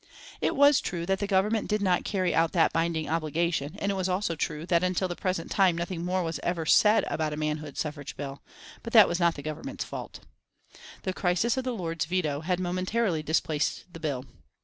It was true that the Government did not carry out that binding obligation, and it was also true that until the present time nothing more was ever said about a manhood suffrage bill, but that was not the Government's fault. The crisis of the Lord's veto, had momentarily displaced the bill.